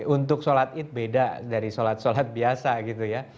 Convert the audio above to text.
untuk salat id beda dari salat salat biasa